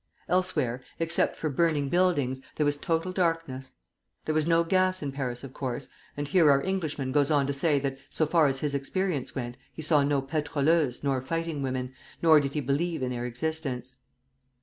Elsewhere, except for burning buildings, there was total darkness. There was no gas in Paris, of course. And here our Englishman goes on to say that so far as his experience went, he saw no pétroleuses nor fighting women, nor did he believe in their existence.